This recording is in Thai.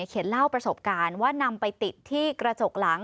เล่าประสบการณ์ว่านำไปติดที่กระจกหลัง